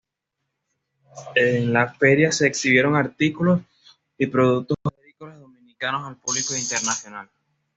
En la feria se exhibieron artículos y productos agrícolas dominicanos al público internacional.